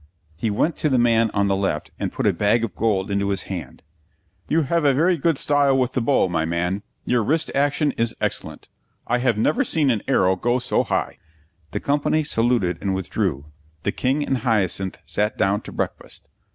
He went to the man on the left and put a bag of gold into his hand. "You have a very good style with the bow, my man. Your wrist action is excellent. I have never seen an arrow go so high." The company saluted and withdrew. The King and Hyacinth sat down to breakfast.